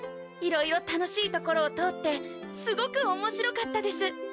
いろいろ楽しい所を通ってすごくおもしろかったです。